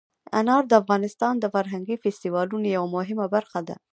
انار د افغانستان د فرهنګي فستیوالونو یوه مهمه برخه ده.